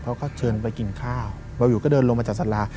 เขาก็เชิญไปกินข้าวเบาอยู่ก็เดินลงมาจากสารา